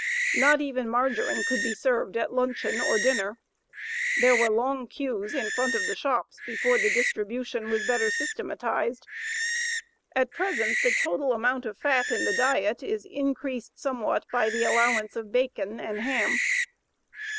Not even margarine could be served at luncheon or dinner. There were long queues in front of the shops before the distribution was better systematized. At present the total amount of fat in the diet is increased somewhat by the allowance of bacon and ham.